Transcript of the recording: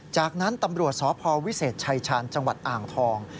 จากนั้นตำรวจสพวิเศษชายชาญจังหวัดอ่างทอง